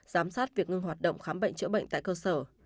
giám sát việc ngưng hoạt động khám bệnh chữa bệnh tại cơ sở